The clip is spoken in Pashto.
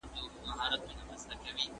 زده کړه موږ ته د مسؤلیت احساس راکوي.